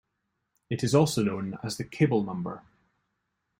It is also known as the Kibel number.